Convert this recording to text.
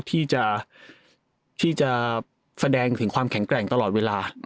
ที่จะแสดงถึงความแข็งแกร่งตลอดเวลา